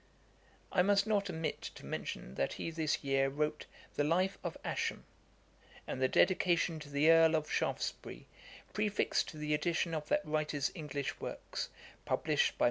I must not omit to mention that he this year wrote _The Life of Ascham_[dagger], and the Dedication to the Earl of Shaftesbury[dagger], prefixed to the edition of that writer's English works, published by Mr. Bennet.